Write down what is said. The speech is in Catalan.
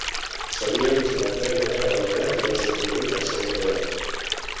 S'havia originat prèviament a Belgrad i va ser produït en serbo-croat.